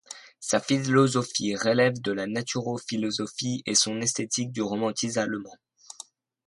Sa philosophie relève de la naturphilosophie et son esthétique du romantisme allemand.